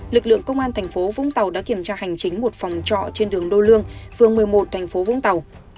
lực lượng công an thành phố vũng tàu đã kiểm tra hành chính một phòng trọ trên đường đô lương phường một mươi một thành phố vũng tàu